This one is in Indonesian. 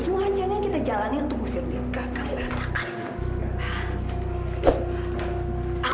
semua rencana yang kita jalani itu musti ada di gagak gagak